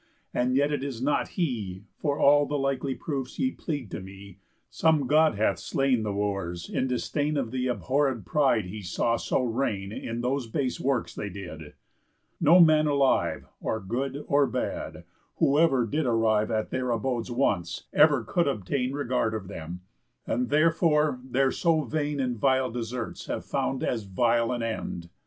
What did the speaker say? And yet it is not he, For all the likely proofs ye plead to me,— Some God hath slain the Wooers in disdain Of the abhorréd pride he saw so reign In those base works they did. No man alive, Or good or bad, whoever did arrive At their abodes once, ever could obtain Regard of them; and therefore their so vain And vile deserts have found as vile an end.